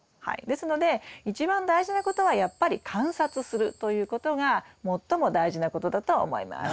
ですので一番大事なことはやっぱり観察するということが最も大事なことだと思います。